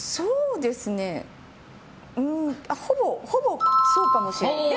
ほぼそうかもしれない。